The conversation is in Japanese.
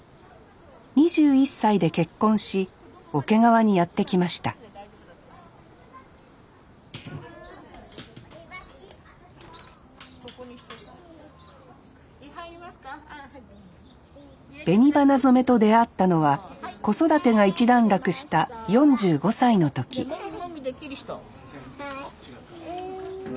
２１歳で結婚し桶川にやって来ました紅花染めと出会ったのは子育てが一段落した４５歳の時もみもみできる人。